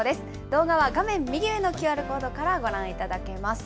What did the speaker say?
動画は画面右上のＱＲコードからご覧いただけます。